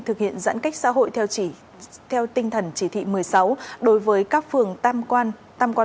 thực hiện giãn cách xã hội theo tinh thần chỉ thị một mươi sáu đối với các phường tam quan tam quan